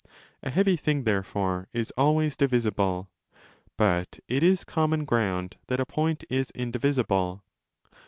A heavy thing therefore is always divisible. But it is common ground that a point is indivisible.